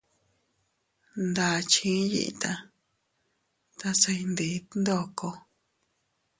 Ndakchi iiyita tase ndiit ndoko.